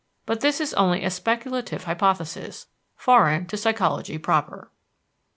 But this is only a speculative hypothesis, foreign to psychology proper.